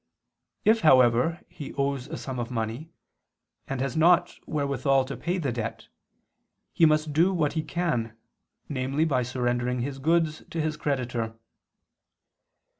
If, however, he owes a sum of money, and has not wherewithal to pay the debt, he must do what he can, namely by surrendering his goods to his creditor.